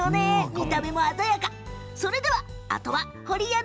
見た目も鮮やか。